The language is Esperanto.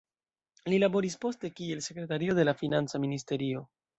Li laboris poste kiel sekretario de la Financa ministerio.